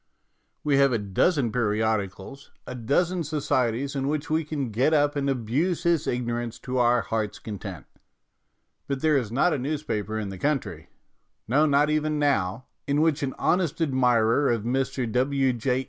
We have a dozen periodicals, a dozen societies THE REVOLT OF THE PHILISTINES 165 in which we can get up and abuse his ignor ance to our heart's content. But there is not a newspaper in the country no, not even now in which an honest admirer of Mr. W. J.